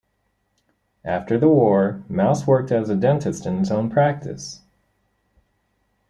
After the war Mauss worked as a dentist in his own practice.